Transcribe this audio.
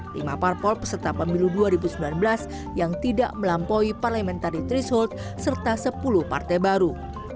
lima partpol peserta pemilu dua ribu sembilan belas yang tidak melampaui parlamentari trish holt serta sepuluh partai baru